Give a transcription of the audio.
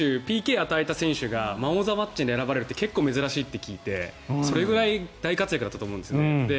ＰＫを与えた選手がマン・オブ・ザ・マッチに選ばれるって珍しいって聞いていてそれぐらい大活躍だったと思うんですね。